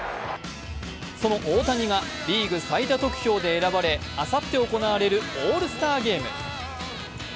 その大谷がリーグ最多得票で選ばれあさって行われるオールスターゲーム。